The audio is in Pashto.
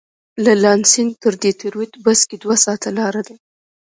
له لانسېنګ تر ډیترویت بس کې دوه ساعته لاره ده.